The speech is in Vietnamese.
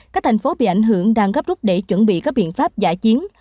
các thành phố bị ảnh hưởng đang gấp rút để chuẩn bị các biện pháp giải chiến